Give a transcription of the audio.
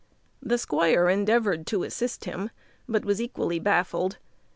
The squire endeavoured to assist him, but was equally baffled.